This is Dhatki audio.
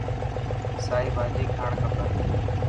سائي ڀاڄي کائڻ کپي.